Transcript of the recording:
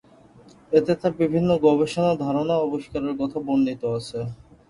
এতে তার বিভিন্ন গবেষণা, ধারণা ও আবিষ্কারের কথা বর্ণিত আছে।